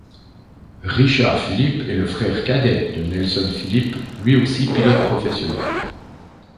Richard Philippe est le frère cadet de Nelson Philippe, lui aussi pilote professionnel.